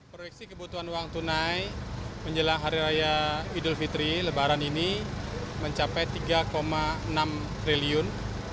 proyeksi kebutuhan uang tunai menjelang hari raya idul fitri lebaran ini mencapai rp tiga enam triliun